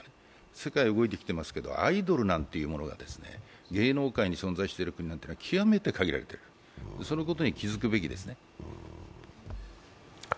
世界を見てもアイドルなんてものは、芸能界に存在している国としては極めて限られているそのことに気づくべきですね。